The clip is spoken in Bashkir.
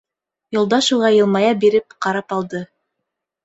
Юлдаш уға йылмая биреп ҡарап алды.